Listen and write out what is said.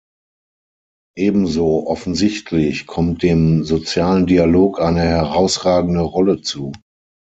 Ebenso offensichtlich kommt dem sozialen Dialog eine herausragende Rolle zu.